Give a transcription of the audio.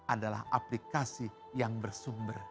adalah aplikasi yang bersumber